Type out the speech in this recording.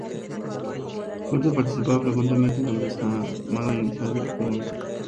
Courtney participaba frecuentemente en el desarmado inicial del automóvil destacado.